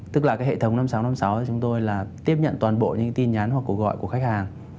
tức là cái hệ thống năm nghìn sáu trăm năm mươi sáu chúng tôi là tiếp nhận toàn bộ những tin nhắn hoặc cuộc gọi của khách hàng